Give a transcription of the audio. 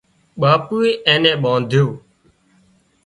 ٻاپوئي اين نين ٻانڌيو